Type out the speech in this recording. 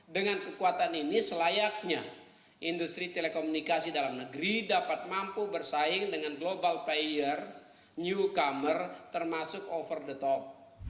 dengan kekuatan ini selayaknya industri telekomunikasi dalam negeri dapat mampu bersaing dengan global player newcomer termasuk over the top